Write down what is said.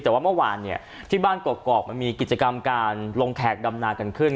แต่ว่าเมื่อวานเนี่ยที่บ้านกรอกมันมีกิจกรรมการลงแขกดำนากันขึ้น